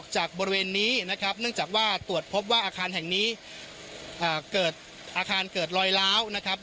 จากว่าตรวจพบว่าอาคารแห่งนี้อ่าเกิดอาคารเกิดลอยล้าวนะครับ